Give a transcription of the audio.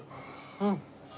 うん！